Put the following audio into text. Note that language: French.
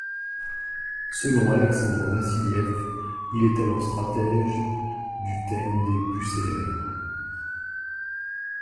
Selon Alexandre Vassiliev, il est alors stratège du thème des Bucellaires.